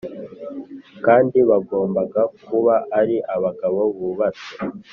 kandi bagombaga kuba ari abagabo bubatse